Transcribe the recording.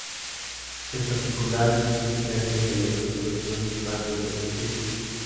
En particular, es un kernel de reproducción de espacio de Hilbert.